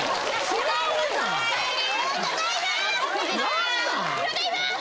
違います！